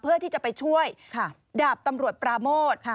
เพื่อที่จะไปช่วยดาบตำรวจปราโมท